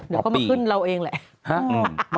เดี๋ยวก็มาขึ้นเราเองแหละ